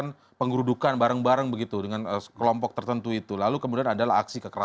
sebenarnya mereka tidak terlalu sadar